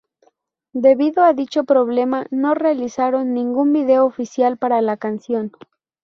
Debido a dicho problema, no realizaron ningún video oficial para la canción.